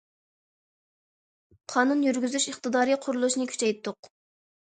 قانۇن يۈرگۈزۈش ئىقتىدارى قۇرۇلۇشىنى كۈچەيتتۇق.